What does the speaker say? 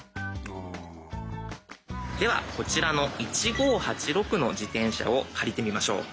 ではこちらの「１５８６」の自転車を借りてみましょう。